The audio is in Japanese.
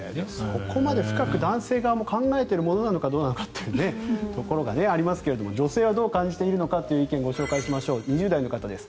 そこまで深く、男性側も考えてるものなのかどうかというところがありますが女性はどう感じているかをご紹介しましょう２０代の方です